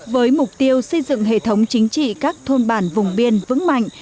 với mục tiêu xây dựng hệ thống chính trị các thôn bản vùng biên vững mạnh